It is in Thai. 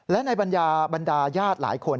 และในบรรดาบรรดาญาติหลายคน